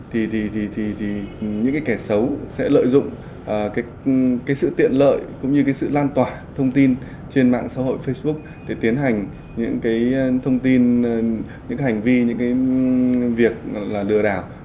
thì những kẻ xấu sẽ lợi dụng sự tiện lợi cũng như sự lan tỏa thông tin trên mạng xã hội facebook để tiến hành những thông tin những hành vi những việc lừa đảo